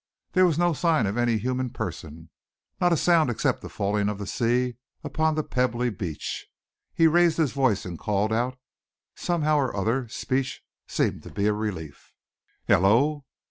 There was no sign of any human person, not a sound except the falling of the sea upon the pebbly beach. He raised his voice and called out. Somehow or other, speech seemed to be a relief. "Hullo!"